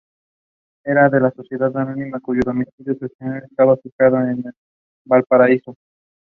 The architect was John Hayward of Exeter.